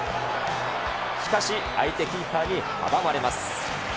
しかし、相手キーパーに阻まれます。